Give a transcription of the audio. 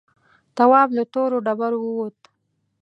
تواب له تورو ډبرو ووت.